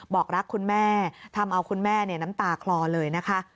บอกรักคุณแม่ทำเอาคุณแม่น้ำตาคลอเลยนะคะ